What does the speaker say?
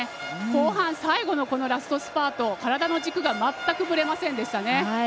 後半最後のこのラストスパート体の軸が全くぶれませんでした。